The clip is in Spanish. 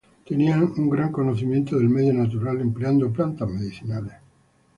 Tenían un gran conocimiento del medio natural, empleando plantas medicinales.